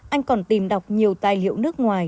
anh còn tìm đọc nhiều tài liệu nước ngoài